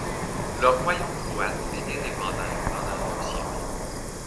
Le royaume croate est indépendant pendant deux siècles.